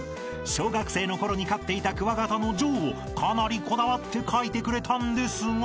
［小学生のころに飼っていたクワガタのジョーをかなりこだわって描いてくれたんですが］